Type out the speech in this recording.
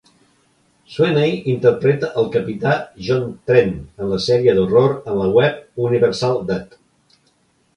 Sweeney interpreta al capità John Trent en la sèrie d'horror en la web, "Universal Dead".